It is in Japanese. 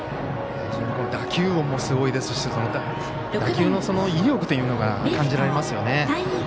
打球音もすごいですし打球の威力というのが感じられますよね。